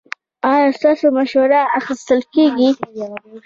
ایا ستاسو مشوره اخیستل کیږي؟